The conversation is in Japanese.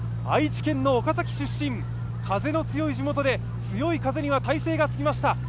愛知県の岡崎市出身、風の強い地元で強い風には耐性がつきました。